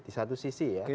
di satu sisi ya